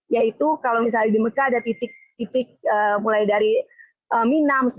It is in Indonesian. yaitu kalau misalnya di mekah ada titik titik mulai dari minam